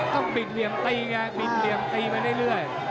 ต้องปิดเหลี่ยมตีไงปิดเหลี่ยมตีไปได้เรื่อย